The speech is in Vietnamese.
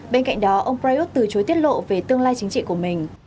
bên cạnh đó ông prayuth từ chối tiết lộ về tương lai chính trị của mình